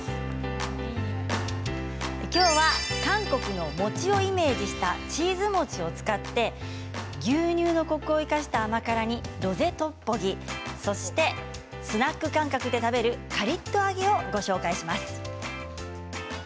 韓国の餅をイメージしたチーズ餅を使って牛乳のコクを生かした甘辛煮、ロゼトッポギスナック感覚で食べるカリっと揚げをご紹介します。